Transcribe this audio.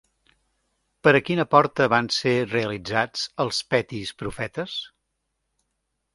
Per a quina porta van ser realitzats els Petis profetes?